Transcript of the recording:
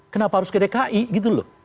kenapa harus ke dki gitu loh